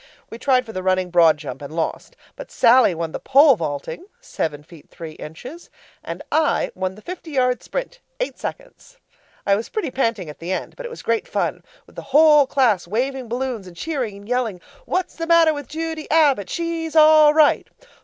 We tried for the running broad jump and lost; but Sallie won the pole vaulting (seven feet three inches) and I won the fifty yard sprint (eight seconds). I was pretty panting at the end, but it was great fun, with the whole class waving balloons and cheering and yelling: What's the matter with Judy Abbott? She's all right.